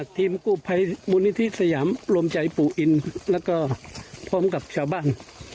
ทีมกู้ภัยมูลนิธิสยามรวมใจปู่อินแล้วก็พร้อมกับชาวบ้าน